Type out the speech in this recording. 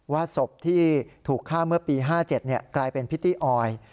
ศพที่ถูกฆ่าเมื่อปี๕๗กลายเป็นพิตตี้ออย